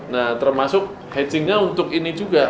nah termasuk hedgingnya untuk ini juga